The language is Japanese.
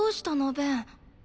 ベン。